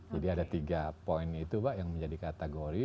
jadi ada tiga poin itu pak yang menjadi kategori